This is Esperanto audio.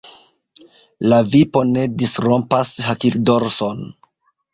La vipo ne disrompas hakildorson!